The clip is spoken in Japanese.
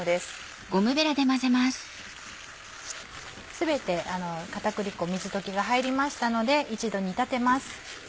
全て片栗粉水溶きが入りましたので一度煮立てます。